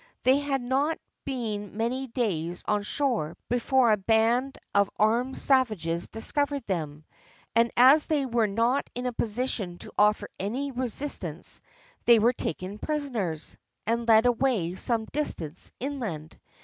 They had not been many days on shore before a band of armed savages discovered them, and as they were not in a position to offer any resistance, they were taken prisoners, and led away some distance inland.